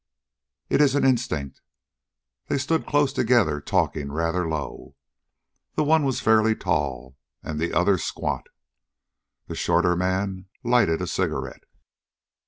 It is an instinct. They stood close together, talking rather low. The one was fairly tall, and the other squat. The shorter man lighted a cigarette.